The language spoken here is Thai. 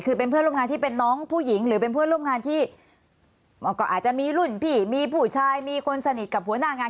คือเป็นเพื่อนร่วมงานที่เป็นน้องผู้หญิงหรือเป็นเพื่อนร่วมงานที่ก็อาจจะมีรุ่นพี่มีผู้ชายมีคนสนิทกับหัวหน้างาน